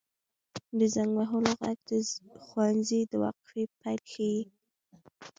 • د زنګ وهلو ږغ د ښوونځي د وقفې پیل ښيي.